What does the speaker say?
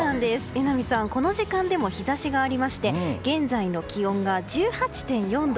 榎並さん、この時間でも日差しがありまして現在の気温が１８．４度。